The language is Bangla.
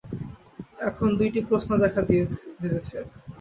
এখন দুইটি প্রশ্ন দেখা দিতেছে।